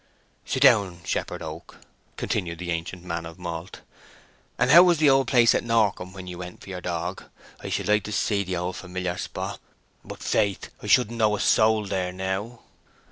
"Sit down, Shepherd Oak," continued the ancient man of malt. "And how was the old place at Norcombe, when ye went for your dog? I should like to see the old familiar spot; but faith, I shouldn't know a soul there now."